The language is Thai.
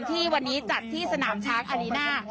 ที่วันนี้จัดที่สนามช้างอารีน่า